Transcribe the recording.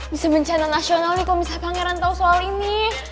bisa bencana nasional nih kok bisa pangeran tau soal ini